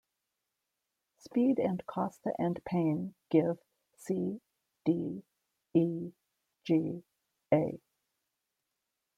Speed and Kostka and Payne give C-D-E-G-A.